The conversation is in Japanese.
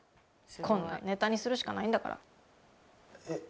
こんなのネタにするしかないんだからえっ